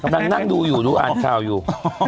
พยายามนั่งดูอ่านข้าวอยู่